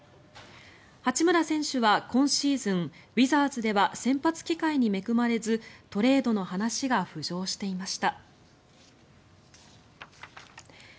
八村選手は今シーズンウィザーズでは先発機会に恵まれずトレードの話が浮上していました。